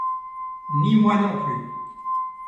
Ni moi non plus.